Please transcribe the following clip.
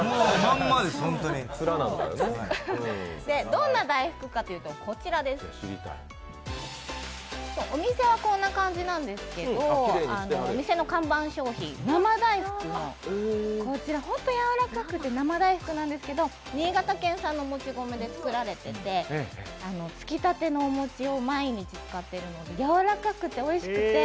どんな大福かというと、お店はこんな感じなんですけど、お店の看板商品、生大福、本当にやわらかくて生大福なんですけど新潟県産の餅米で作られていてつきたてのお餅を毎日使っているのでやわらかくて、おいしくて。